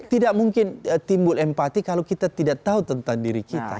tidak mungkin timbul empati kalau kita tidak tahu tentang diri kita